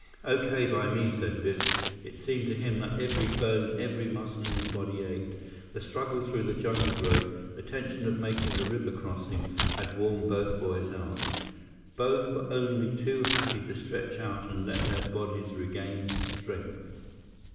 "Okay by me," said Biff. It seemed to him that every bone, every muscle in his body ached. The struggle through the jungle growth, the tension of making the river crossing, had worn both boys out. Both were only too happy to stretch out and let their bodies regain strength.